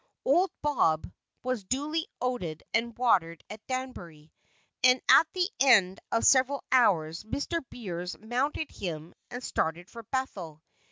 Old "Bob" was duly oated and watered at Danbury, and at the end of several hours Mr. Beers mounted him and started for Bethel.